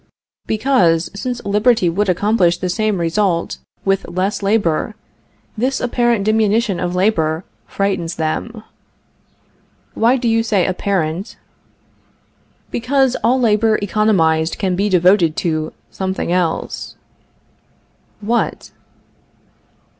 Because, since liberty would accomplish the same result with less labor, this apparent diminution of labor frightens them. Why do you say apparent? Because all labor economized can be devoted to something else. What?